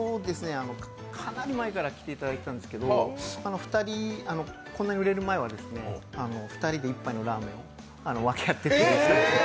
かなり前から来ていただいていたんですけど、こんなに売れる前は２人で１杯のラーメンを分け合ってました。